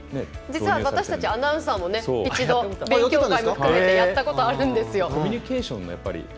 私たちアナウンサーも勉強会も含めてやったことあるんですよ。